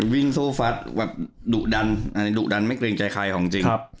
วิ่งสู้ฟัดแบบดุดันดุดันไม่เกรงใจใครของจริง